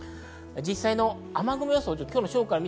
実際の雨雲予想です。